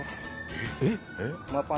えっ！